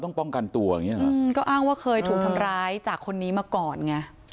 ต้องป้องกันตัวอย่างเงี้เหรออืมก็อ้างว่าเคยถูกทำร้ายจากคนนี้มาก่อนไง